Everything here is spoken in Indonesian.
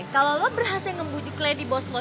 kalau lo berhasil ngebujuk lady bos lo